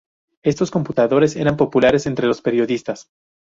Éstos computadores eran populares entre los periodistas.